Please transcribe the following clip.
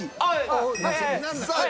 さあ